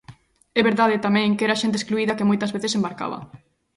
É verdade, tamén, que era a xente excluída a que moitas veces embarcaba.